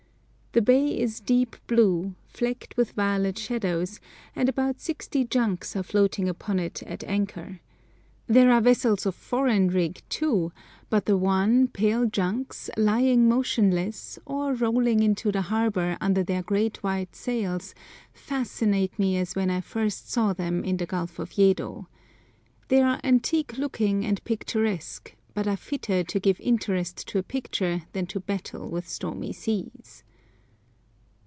The bay is deep blue, flecked with violet shadows, and about sixty junks are floating upon it at anchor. There are vessels of foreign rig too, but the wan, pale junks lying motionless, or rolling into the harbour under their great white sails, fascinate me as when I first saw them in the Gulf of Yedo. They are antique looking and picturesque, but are fitter to give interest to a picture than to battle with stormy seas.